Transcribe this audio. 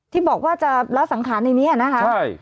ที่บอกว่าจะละสังขารในนี้นะคะ